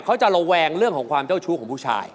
ระแวงเรื่องของความเจ้าชู้ของผู้ชาย